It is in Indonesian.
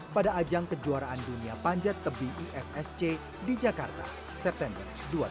pada ajang kejuaraan dunia panjat tebi ifsc di jakarta september dua ribu dua puluh